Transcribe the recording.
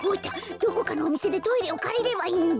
どこかのおみせでトイレをかりればいいんだ。